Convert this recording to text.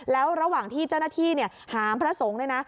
แล้วระหว่างที่เจ้าหน้าที่หามพระสงฆ์เนี่ยนะ